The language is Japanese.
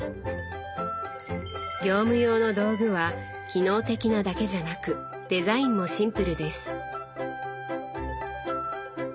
業務用の道具は機能的なだけじゃなくデザインもシンプルです。